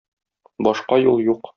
Башка юл юк.